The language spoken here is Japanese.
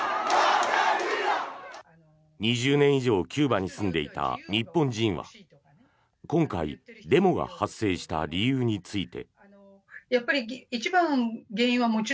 ２０年以上キューバに住んでいた日本人は今回デモが発生した理由について。